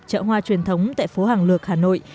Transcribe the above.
chợ hoa truyền thống tại phố hàng lược hà nội